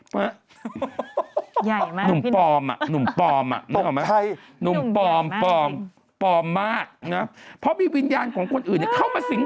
พูดมากกว่าการโดนอะไรเข้าสิง